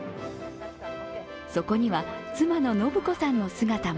そこには、妻の信子さんの姿も。